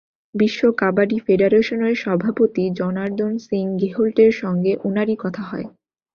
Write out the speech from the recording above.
বিশ্ব কাবাডি ফেডারেশনের সভাপতি জনার্দন সিং গেহলটের সঙ্গে ওনারই কথা হয়।